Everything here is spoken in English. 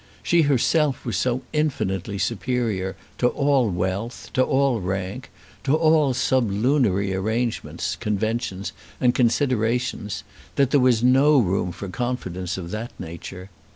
She herself was so infinitely superior to all wealth, to all rank, to all sublunary arrangements, conventions, and considerations, that there was no room for confidence of that nature.